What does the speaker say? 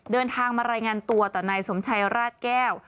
เดินทางมารายงานตัวต่อนายสมชัยราชแก้ว